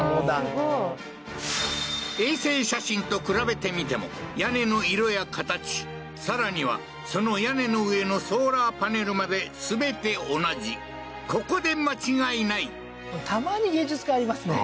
すごい衛星写真と比べてみても屋根の色や形さらにはその屋根の上のソーラーパネルまで全て同じここで間違いないたまに芸術家ありますね